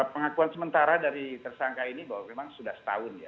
pengakuan sementara dari tersangka ini bahwa memang sudah setahun ya